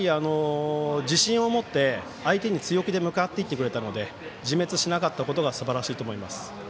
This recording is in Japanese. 自信を持って相手に強気で向かってくれたので自滅しなかったことがすばらしいと思います。